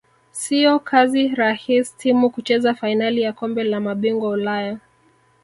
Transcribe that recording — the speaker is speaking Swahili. siyo kazi rahis timu kucheza fainali ya kombe la mabingwa ulaya